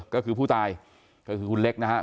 ก็คือผู้ตายก็คือคุณเล็กนะครับ